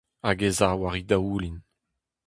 Hag ez a war he daoulin.